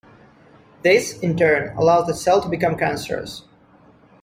This, in turn, allows the cell to become cancerous.